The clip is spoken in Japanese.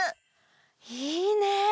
いいね！